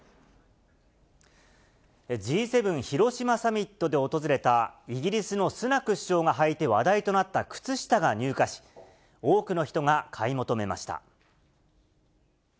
Ｇ７広島サミットで訪れた、イギリスのスナク首相がはいて話題となった靴下が入荷し、多くの人が買い求めました。